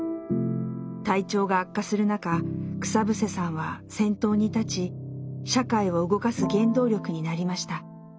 体調が悪化する中草伏さんは先頭に立ち社会を動かす原動力になりました。